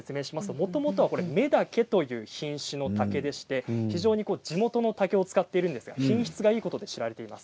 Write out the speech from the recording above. もともと女竹という品種の竹でして、地元の竹を使っているんですが品質がいいことで知られています。